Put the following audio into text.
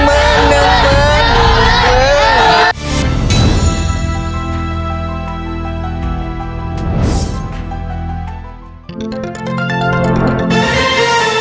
โปรดติดตามตอนต่อไป